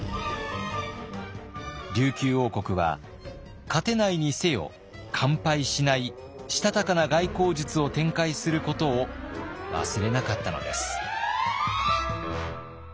琉球王国は勝てないにせよ完敗しないしたたかな外交術を展開することを忘れなかったのです。